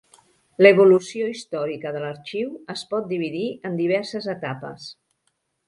L'evolució històrica de l'Arxiu es pot dividir en diverses etapes.